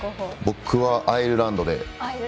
僕はアイルランドで。